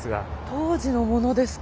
当時のものですか。